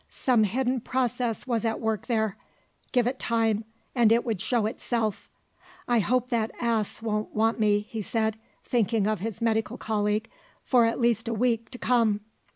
Some hidden process was at work there: give it time and it would show itself. "I hope that ass won't want me," he said, thinking of his medical colleague, "for at least a week to come."